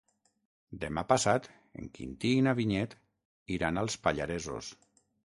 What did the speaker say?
Demà passat en Quintí i na Vinyet iran als Pallaresos.